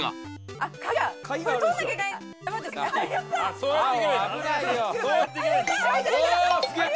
あっ！